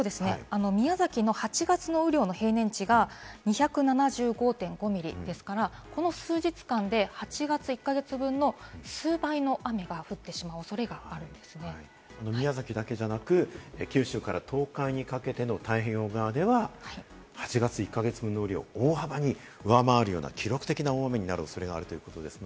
宮崎の８月雨量の平年値が２７５．５ミリですから、この数日間で８月１か月分の数倍の雨が降ってしまうおそれがある宮崎だけじゃなく、九州から東海にかけての太平洋側では、８月、１か月分の雨量を大幅に上回るような記録的な大雨になる恐れがあるということです。